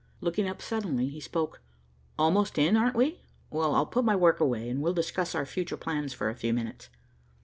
Looking up suddenly, he spoke, "Almost in, aren't we? Well, I'll put my work away, and we'll discuss our future plans for a few minutes."